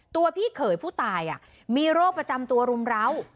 พี่เขยผู้ตายมีโรคประจำตัวรุมร้าว